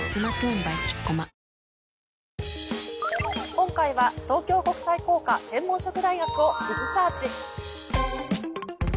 今回は東京国際工科専門職大学を。